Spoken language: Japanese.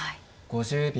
５０秒。